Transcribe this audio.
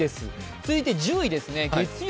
続いて１０位です。